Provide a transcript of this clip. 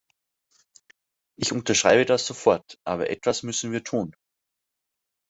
Ich unterschreibe das sofort, aber etwas müssen wir tun.